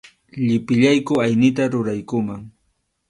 Llipillayku aynita ruraykuman.